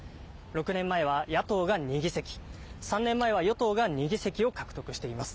６年前は野党が２議席、３年前は与党が２議席を獲得しています。